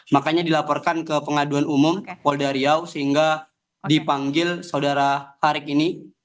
makanya dilaporkan ke pengaduan umum polda riau sehingga dipanggil saudara hari ini